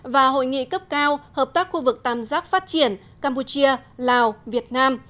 và hội nghị cấp cao hợp tác khu vực tam giác phát triển campuchia lào việt nam